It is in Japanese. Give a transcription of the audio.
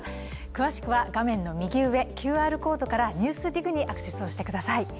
詳しくは画面の右上、ＱＲコードから「ＮＥＷＳＤＩＧ」にアクセスしてください。